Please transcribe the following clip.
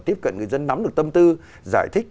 tiếp cận người dân nắm được tâm tư giải thích